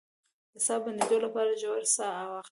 د ساه د بندیدو لپاره ژوره ساه واخلئ